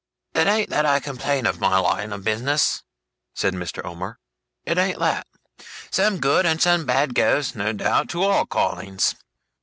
'It ain't that I complain of my line of business,' said Mr. Omer. 'It ain't that. Some good and some bad goes, no doubt, to all callings.